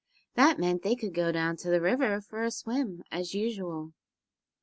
That meant they could go down to the river for a swim as usual.